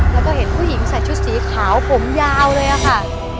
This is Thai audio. แล้วก็เห็นผู้หญิงใส่ชุดสีขาวผมยาวเลยค่ะ